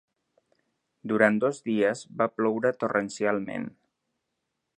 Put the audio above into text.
Durant dos dies va ploure torrencialment